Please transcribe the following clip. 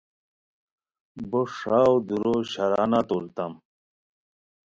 بو ݰاؤ دورو شرانا توریتا